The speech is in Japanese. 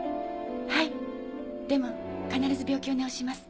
はいでも必ず病気を治します